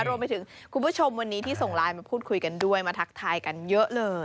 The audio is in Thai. รวมไปถึงคุณผู้ชมวันนี้ที่ส่งไลน์มาพูดคุยกันด้วยมาทักทายกันเยอะเลย